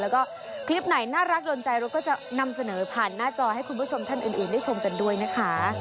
แล้วก็คลิปไหนน่ารักโดนใจเราก็จะนำเสนอผ่านหน้าจอให้คุณผู้ชมท่านอื่นได้ชมกันด้วยนะคะ